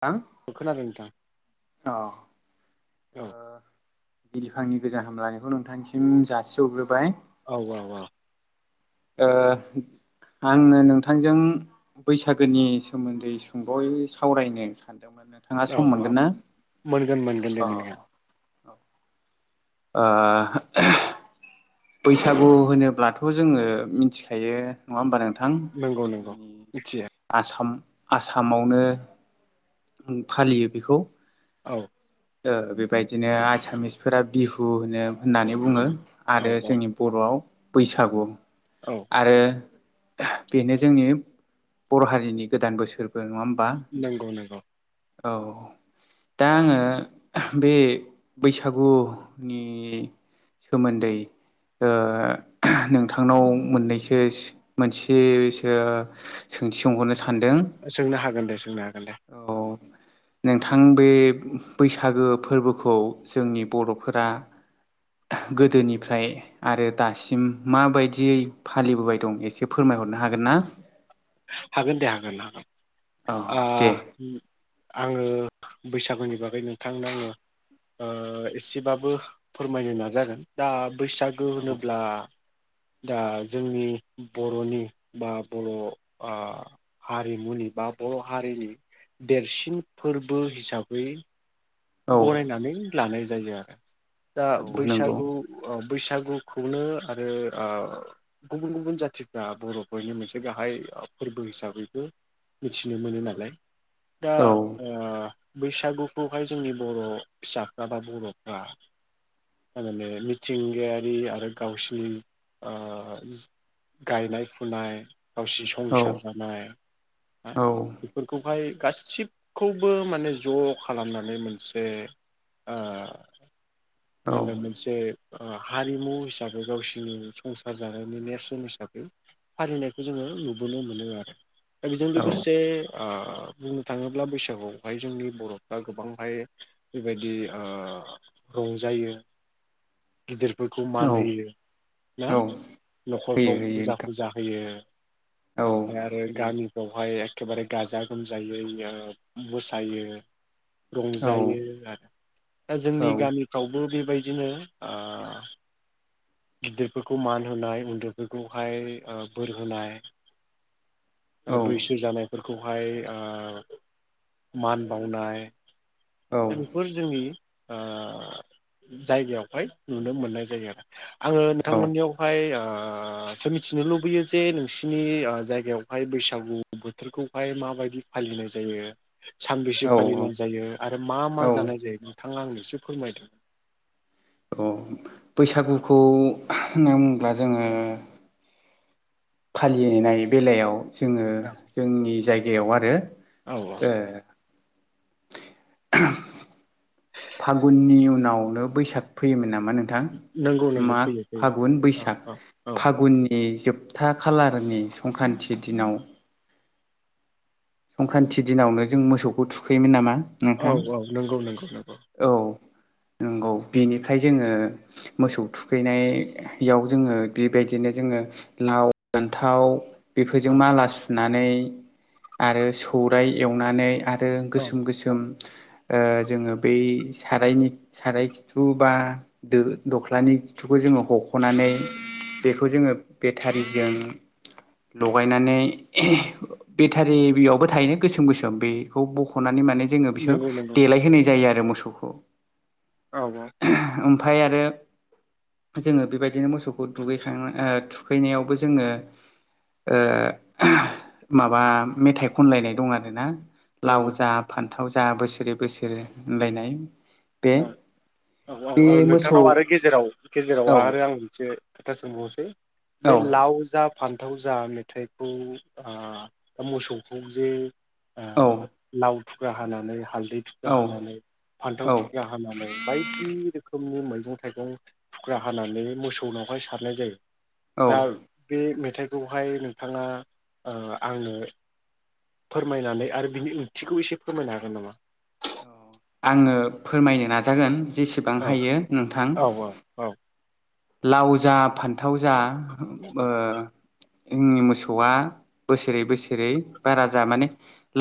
थां औ खोनादों नोंथां अ ओ औ बिलिफांनि गोजान हामलाय नोंथांसिम जासिहरग्रोबाय। औ औ आ। ओ आङो नोंथांजों बैसागोनि सोमोन्दै सुंद'यै सावरायनो सान दोंमोन नोंथाङा सम मोनगोन ना। दो मोनगोन। औ। ओ बैसागु होनोब्लाथ' जोङो मिथिखायो नङा होमबा नों थां नंगौ नंगौ उम मिथियो आसाम आसामावनो फालियो बेखौ औ ओ बेबायदिनो आसामिसफोरा बिहु होनो होननानै औ बुङो आरो औ औ जोंनि बर'आव बैसागु औ आरो बेनो जोंनि बर' हारिनि गोदान बोसोर बो नङा होमबा नोंथां नंगौ नंगौ औ दा आङो बे बैसागुनि सोमोन्दै ओ नोंथांनाव मोननैसो मोनसेसो सोंथि सोंहरनो सा- सोंनो हागोन दे सोंनो हागोन दे औ नोंथां बे बैसागो फोरबोखौ जोंनि बर'फोरा गोदोनिफ्राय आरो दासिम माबायदियै फालिबोबाय दं एसे फोरमाय हरनै हागोन ना? हागोन दे हागोन हागोन औ दे ओ आङो बैसागुनि बागै नोंथांनो आङो ओ एसेबाबो फोरमायनो नाजागोन दा बैसागो औ होनोब्ला दा जोंनि बर'नि बा बर' ओ हारिमुनि बा बर' हारिनि देरसिन फोरबो हिसाबै औ गनायनानै लानाय जायो आरो दा औ नंगौ बैसागु बैसागुखौनो आरो ओ गुबुन गुबुन जाथिफ्रा बरफोरनि मोनसे गाहाय फोरबो हिसाबैबो मिथिनो मोनो नालाय दा औ ओ बैसागुखौहाय जोंनि बर फिसाफ्रा बा बरफ्रा थारैनो मिथिंगायारि आरो गावसिनि ओ गायनाय फुनाय गावसि औ संसार जानाय हा बेफोरखौहाय गासिबखौबो माने ज खालामना- नै मोनसे ओ औ मा होनो मोनसे हारिमु हिसाबै गावसिनि संसार जानायनि नेरसोन हिसाबै फालिनायखौ जोङो नुबोनो मोनो आरो दा बेजों लोगोसे ओ बुंनो थाङोब्ला बैसागुआवहाय जोंनि बरफ्रा गोबांहाय बेबायदि ओ रंजायो गिदिरफोरखौ मान औ होयो ना औ होयो नखरफ्राव होयो फुजा नोंथां फुजा होयो औ ओमफ्राय आरो होयो गामिफ्रावहाय एखेबारे गाजा गोमजायै ओ मोसायो औ रंजायो आरो दा औ जोंनि गामि बो बेबायदिनो ओ गिदिरफोरखौ मान होनाय उन्दैफोरखौहाय ओ बोर होनाय आरो औ बैसो जानायफोरखौहाय ओ मान बावनाय दा बेफोर जोंनि ओ जायगायावहाय नुनो मोननाय जायो आरो आङो नोंथांमोननियावहाय ओ ओ सो मिथिनो लुबैयो जे नोंसिनि जायगायावहाय बैसागु बोथोरखौहाय माबायदि फालिनाय जायो सानबैसे फालिनाय जायो आरो मा औ मा जानाय जायो नोंथां आंनो एसे फोरमायदो अ बैसागुखौ होनना बुङोब्ला जोङो फालिनाय बेलायाव जोङो जोंनि जायगायाव आरो औ औ ए फागुननि उनावनो बैसाग फैयोमोन ना- मा नोंथां नंगौ नंगौ माग फैयो फैयो फागुन औ बैसाग औ औ फागुननि जोब- था खालारनि संक्रान्ति दिनाव संक्रान्ति दिनावनो जों मोसौखौ थुखैयोमोन नामा औ नोंथां औ नंगौ नंगौ नंगौ औ नंगौ बिनिफ्राय जोङो मोसौ थुखैनायाव जोङो बेबायदिनो जों लाव फान्थाव औ बेफोरजों माला सुनानै आरो सौराय एवनानै आरो आरो औ गोसोम गोसोम जोङो बै सारायनि साराय खिथु बा दोख्लानि खिथुखौ जोङो हख'नानै बेखौ जोङो बेटारिजों लगायनानै बेटारिबियावबो थायोना गोसोम गोसोम बेखौ बख'नानै माने जोङो बिसोर नंगौ नंगौ देलाय होनाय जायो आरो मोसौखौ औ औ ओमफफ्राय आरो जोङो बेबायदिनो मोसौखौ दुगैखां थुखैनायावबो जोङो माबा मेथाइ खनलायनाय दं आरोना लाव नंगौ जा फान्थाव जा बोसोरै बोसोरै होनलायनाय बे औ औ औ बे औ मोसौ नोंथांनाव आरो गेजेराव गेजेराव औ आरो आं मोनसे सोंबावसै बे औ लावजा फान्थाव जा मेथाइखौ दा मोसौखौ जे औ लाव थुख्रा हानानै हालदै थुख्रा औ हानानै औ फान्थाव होननानै बायदि रोखोमनि मैगं थाइगं खुख्रा हानानै मोसौनावहाय सारनाय जायो। औ दा बे मेथाइखौहाय नोंथाङा ओ आंनो फोरमायनानै आरो बिनि ओंथिखौ एसे फोरमायनो हागोन नामा? आङो फोरमायनो नाजागोन जेसेबां औ हायो नोंथां औ औ लाव जा फान्थाव जा ओ जोंनि मोसौआ बोसोरै बोसोरै बारा जा माने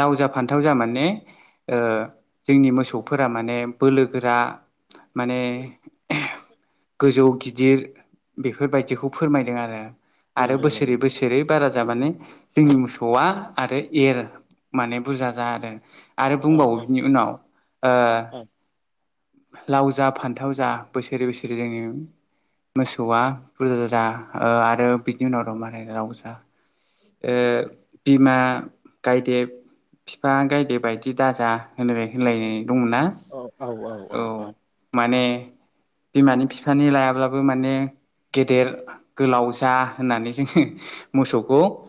लाव जा फान्थाव जा माने ओ जोंनि मोसौफोरा माने बोलोगोरा माने गोजौ गि दिर बेफोरबायदिखौ फोरमायदों आरो। आरो नंगौ बोसोरै नंगौ बोसोरै बारा जा माने जोंनि मोसौआ आरो एर माने बुरजा जा आरो आरो औ बुंबावो बिनि उनाव ओ औ लाव जा फान्थाव जा बोसोरै बोसोरै जोंनि मोसौआ बुरजा बुरजा आरो बिनि उनाव दं रावबो जा ओ बिमा गायदे बिफा गायदे बायदि दाजा होनबाय होनलाय दं ना? औ माने बिमानि बिफानि लायाब्लाबो माने गेदेर गोलाव जा होननानै जोङो मोसौखौ ओ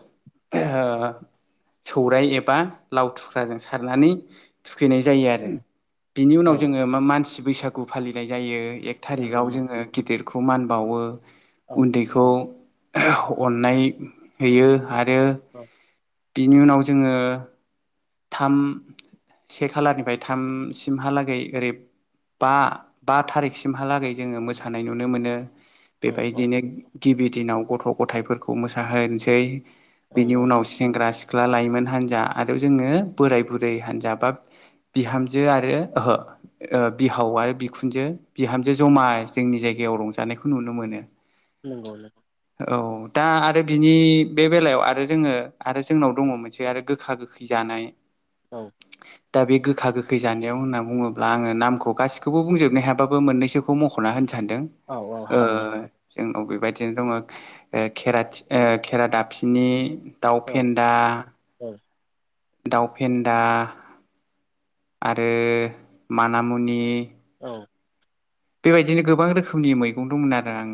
सौराय एबा लाव थुख्राजों सारनानै थुखैनाय जायो आरो। बिनि औ उनाव जोङो मा मानसि बैसागु फालिनाय जायो। एक नंगौ थारिकाव नंगौ जोङो गिदिरखौ मान बावो औ उन्दैखौ अननाय होयो आरो औ बिनि उनाव जोङो थाम से खालारनिफ्राय थामसिमहालागै ओरै बा बा थारिखसिमहालागै जोङो मोसानाय नुनो मोनो। औ औ बेबायदिनो गिबि दिनाव गथ' गथायाइफोरखौ मोसाहोनोसै औ बेनि औ उनाव सेंग्रा सिख्ला लाइमोन हान्जा आरो जोङो बोराय बुरै हानजा बा बिहामजो आरो ओहो बिहाव आरो बिखुनजो बिहामजो ज'मा जोंनि जायगायाव रंजानायखौ नुनो मोनो। नंगौ नोंथां औ दा आरो बिनि बे बेलायाव आरो जोङो आरो जोंनाव दङ मोनसे आरो गोखा गोख खै जानाय। औ दा बे गोखा गोखै जानायाव होनना बुङोब्ला आङो नामखौ गासिखौबो बुंजोबनो हायाबाबो मोननैसोखौ मख'ना होनो सान्दों औ औ हागोन दे उम औ बेबायदिनो दङ खेरथि ओ खेरादाफिनि दाउ औ फेन्दा औ दाउफेन्दा आरो मानामुनि औ बेबायदिनो गोबां रोखोमनि मैगं दंमोन आरो आं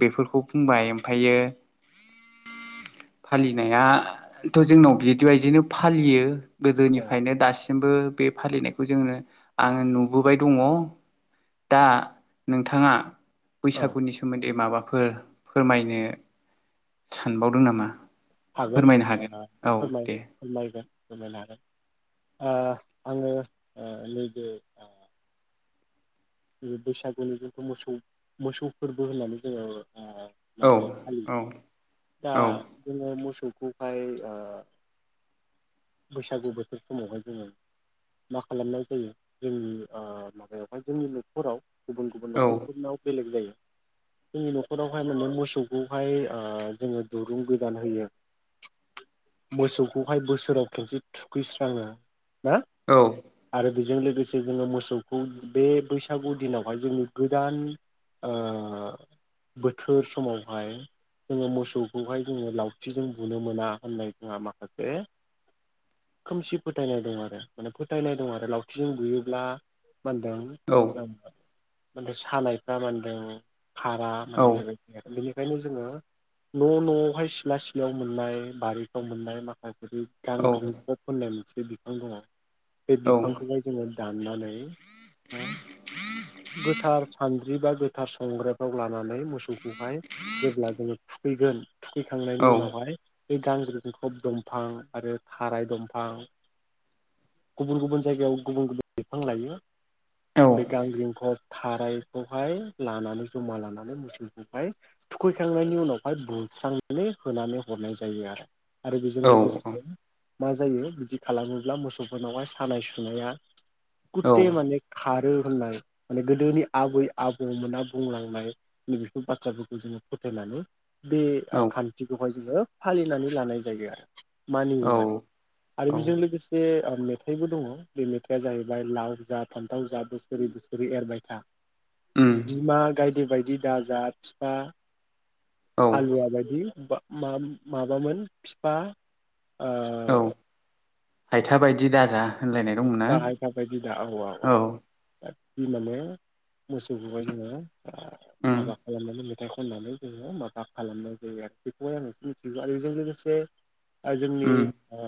बेफोरखौ बुंबाय ओमफ्रायो [inaudible] फालिनायाथ' जोंनाव बिदिबायदिनो फालियो औ गोदोनिफ्रायनो दा सिमबो बे फालिनायखौ जोङो आं नुबोबाय दङ। दा नोंथाङा औ बैसागुनि सोमोन्दै माबा फोर फोरमायनो सानबावदों नामा? हागोन फोरमायनो औ दे फोर-फोरमायगोन। मायनों हागोन आ आङो नैबे बैसागुनि जोंथु मोसौ मोसौ फोरबो होननानै जोङो अ औ माबायो फालियो औ दा औ जोङो मोसौ खौहाय अ बैसागु बोथोर समावहाय जोङो मा खालामनाय जायो जोंनि आ माबायावहाय जोंनि न'खराव गुबुन गुबुन न'खरफोरनाव बेलेग जायो। जोंनि न'खरावहाय माने मोसौखौहाय आ जोङो दुरुं गोदान होयो। [inaudible] मोसौखौहाय बोसोराव खेबसे थुखैस्राङो ना औ आरो बेजों लोगोसे जोङो मोसौखौ बे बैसागु दिनावहाय जोंनि गोदान अ बोथोर समावहाय जोङो मोसौखौहाय जोङो लावथिजों बुनो मोना होननाय जोंहा माखासे खोमसि फोथायनाय दं आरो माने फोथायनाय दं आरो लावथिजों बुयोब्ला मा होनदों औ मानदों सानायफ्रा मानदों। खारा औ माने बेबायदि आरो बेनि ओंखायनो जोङो न' न'आवहाय सिला सिलायाव मोननाय बारिफ्राव मोननाय माखासे औ गांग्रोमफब होननाय मोनसे बिफां दङ बे औ बिफांखौहाय जोङो दाननानै गोथार सानद्रि बा गोथार संग्रबाव लानानै मोसौखौहाय जेब्ला जोङो थुखैगोन थुखैखांनायनि उनावहाय बे गांग्रिगिखब दंफां आरो थाराय दंफां गुबुन गुबुन जायगायाव गुबुन गुबुन बिफां लायो औ बे गांग्रिन खब थारायखौहाय लानानै जमा लानानै मोसौखौहाय थुखैखांनायनि उनावहाय बु स्रांनानै होनानै हरनाय जायो आरो आरो बेजों लोगोसे मा जायो बिदि खालामोब्ला मोसौफोरनावहाय सानाय सुनाया गुटे माने खारो। होननाय माने गोदोनि आबै आबौमोना बुंलांनाय नैबेफोर बाथ्राफोरखौ जोङो फोथायनानै बे खान्थिखौहाय जोङो फालिनानै लानाय जायो आरो औ मानिया आरो औ बेजों लोगोसे अ मेत मेथाइबो दङ बे मेथाइआ जाहैबाय लाव जा फान्थाव जा बोसोरै बोसोरै एरबाय था उम बिमा गायदे बायदि दाजा बिफा औ हालुवा बायदि बख माबामोन बिफा आ औ हायथा बायदि दाजा होनलायनाय दंमोन ना हफ्ता हायफा बायदि दा औ औ दि माने मोसौखौहाय जोङो आ उम माबा खालामनानै फेथाइ खननानै जोङो माबा खालामनाय जायो आरो बेखौहाय आं एसे मिथिगौ आरो बेजों लोगोसे ओ जोंनि उम ओ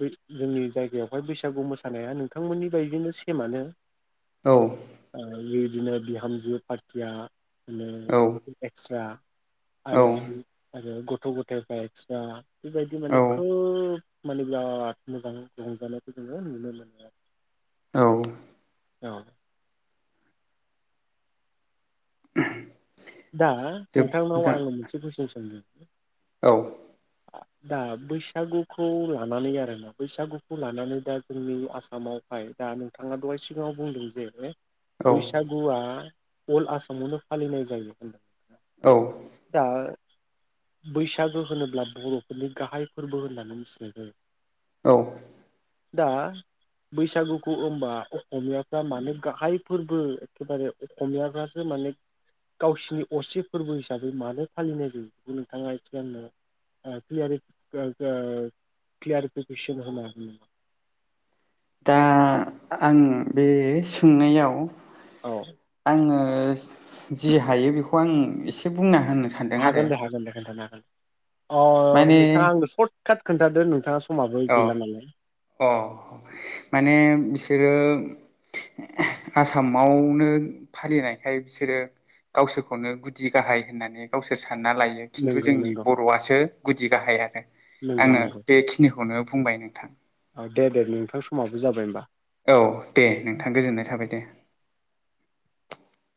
बे जोंनि जायगायावहाय बैसागु मोसानाया नोंथांमोननि बायदिनो सेमानो औ ओ बेबायदिनो बिहामजो पारथिया औ [unintelligible] एक्सरा औ आरो आरो गथ' गथायफ्रा एक्स्रा बेबायदि औ माने खोब माने बिराद मोजां रंजानायखौ जोङो नुनो मोनो औ आरो औ दा जोब नोंथांनाव दा आङो मोनसे कुइसन सोंदों। औ दा बैसागुखौ लानानै आरोना बैसागुखौ लानानै दा जोंनि आसामावहाय दा नोंथाङा दहाय सिगाङाव बुंदों जे औ बैसागुआ अल आसामावनो फालिनाय जायो। औ दा बैसागो होनोब्ला बर'फोरनि गाहाय फोरबो होननानै मिथिनाय जायो। औ। दा बैसागुखौ होमबा अक'मियाफ्रा मानो गाहाय फोरबो एखेबारे अक'मियाफ्रासो माने गावसिनि असे फोरबो हिसाबै मानो फालिनाय जायो बेखौ नोंथाङा एसे आंनो ओ क्लियारि [unintelligible] क्लियारिफिकेसन होनो हागोन नामा? [inaudible] दा आं बे सोंनायाव औ आङो ओ जि हायो बेखौ आं एसे बुंनो हागोन दे हागोन दे खोनथानो हागोन। अ माने नोंथाङा आंनो सर्ट काट खोनथादो नोंथाङा समाबो औ गैला नालाय। अ माने बिसोरो [unintelligible] आसामावनो फालिनायखाय बिसोरो गावसोरखौनो गुदि गाहाय होननानै गावसोर सानना लायो। खिन्थु नंगौ जोंनि नंगौ बर'आसो गुदि गाहाय आरो नंगौ आङो नंगौ बेखिनिखौनो बुंबाय नोंथां। औ दे दे नोंथां समाबो जाबाय होमबा। औ दे नोंथां गोजोननाय थाबाय दे।